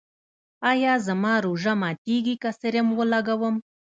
ایا زما روژه ماتیږي که سیروم ولګوم؟